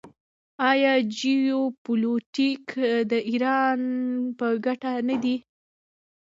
آیا جیوپولیټیک د ایران په ګټه نه دی؟